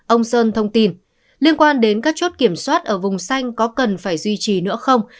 ông sơn thông tin liên quan đến các chốt kiểm soát ở vùng xanh có cần phải duy trì nữa không